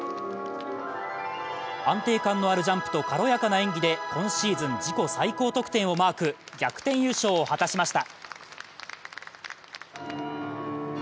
安定感のあるジャンプと軽やかな演技で今シーズン自己最高得点をマーク、逆転優勝を果たしました。